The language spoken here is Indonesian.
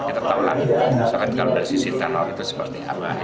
kita tahu lagi sobat kalau dari sisi teknologi itu seperti apa